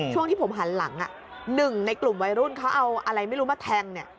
ช่วงที่ผมหันหลังหนึ่งในกลุ่มวัยรุ่นเขาเอาอะไรไม่รู้มาแทงเนี่ย